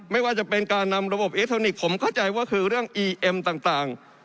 ไม่ว่าจะเป็นการนำระบบอิเล็กทรอนิกส์ผมเข้าใจว่าคือเรื่องอีเอ็มต่าง